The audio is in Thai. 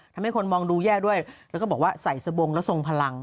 ทำให้คนมองดูแย่ด้วยแล้วก็บอกว่าใส่สบงแล้วทรงพลัง